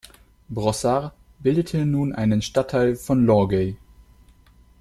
Brossard bildete nun einen Stadtteil von Longueuil.